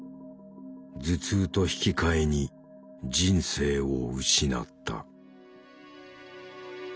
頭痛と引き換えに人生を失った。